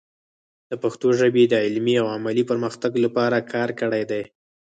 د پښتو ژبې د علمي او عملي پرمختګ لپاره کار کړی دی.